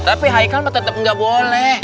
tapi haikal mah tetep nggak boleh